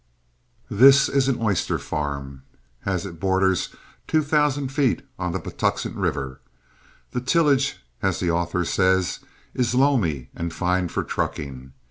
This is an oyster farm, as it borders two thousand feet on the Patuxent River. The tillage, as the author says, "is loamy and fine for trucking."